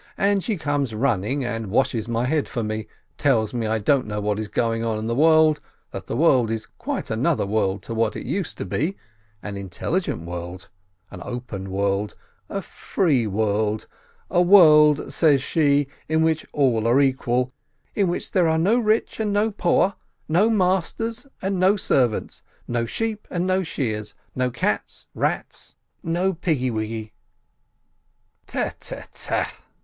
and she comes running, and washes my head for me, tells me I don't know what is going on in the world, that the world is quite another world to what it used to be, an intelligent world, an open world, a free world, "a world," says she, "in which all are equal, in which there are no rich and no poor, no masters and no servants, no sheep and no shears, no cats, rats, no GYMNASIYE 179 piggy wiggy " "Te te te!"